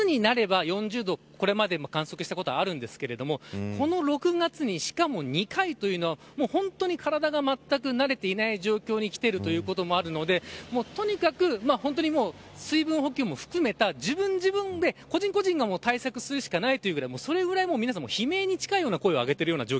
８月になれば、４０度をこれまでも観測したことはあるんですがこの６月にしかも、２回というのは本当に体がまったく慣れていない状況にきているということもあるのでとにかく本当に水分補給も含めた自分自分で個人個人が対策をするしかないというぐらいそれぐらい皆さん